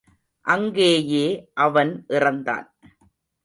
அங்கேயே அவன் இறந்தான்.